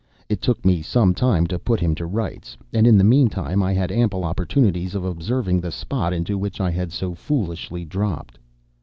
It took me some time to put him to rights, and in the meantime I had ample opportunities of observing the spot into which I had so foolishly dropped.